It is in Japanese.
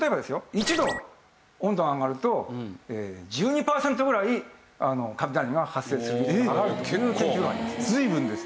１度温度が上がると１２パーセントぐらい雷が発生する率が上がるという研究があります。